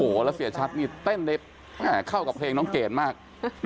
โอ้โหแล้วเสียชัดนี่เต้นได้เข้ากับเพลงน้องเกดมาก